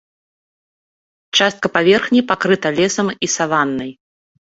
Частка паверхні пакрыта лесам і саваннай.